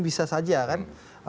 bisa saja kan